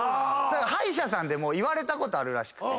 歯医者さんでも言われたことあるらしくて。